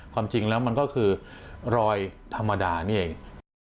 ความจริงแล้วมันก็คือรอยธรรมดานี่เอง